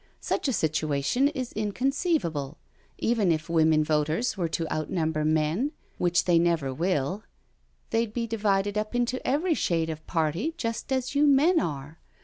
Such a situation is inconceivable. Even if women voters were to outnumber men, which they never will, they'd be divided up into every shade of party just as you men are.